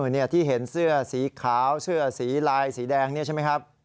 นี่ที่เห็นเสื้อสีขาวเสื้อสีลายสีแดงนี่ใช่ไหมครับ